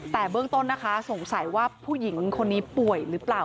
แต่เบื้องต้นนะคะสงสัยว่าผู้หญิงคนนี้ป่วยหรือเปล่า